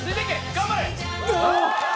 頑張れ！」